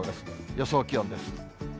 予想気温です。